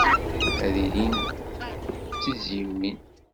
Ad ilin d tizzyiwin.